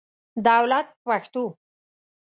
دولت په پښتو.